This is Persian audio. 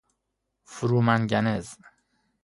فرومنگنز